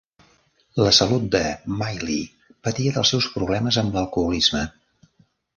La salut de Miley patia dels seus problemes amb l'alcoholisme.